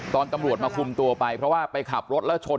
ตำรวจมาคุมตัวไปเพราะว่าไปขับรถแล้วชน